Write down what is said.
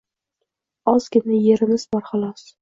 Ozgina erimiz bor, xolos